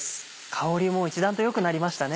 香りも一段とよくなりましたね。